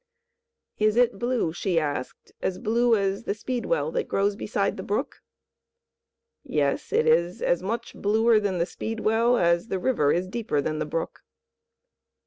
"Is it blue," she asked, "as blue as the speedwell that grows beside the brook?" "Yes, it is as much bluer than the speedwell, as the river is deeper than the brook."